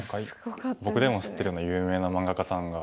僕でも知ってるような有名な漫画家さんが。